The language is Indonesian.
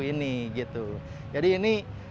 ini gitu jadi ini